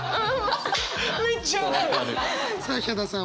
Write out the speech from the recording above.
さあヒャダさん